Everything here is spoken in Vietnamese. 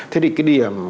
thế thì cái điểm